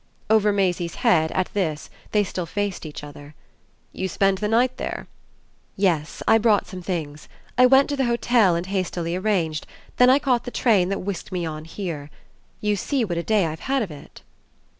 Over Maisie's head, at this, they still faced each other. "You spend the night there?" "Yes, I brought some things. I went to the hotel and hastily arranged; then I caught the train that whisked me on here. You see what a day I've had of it."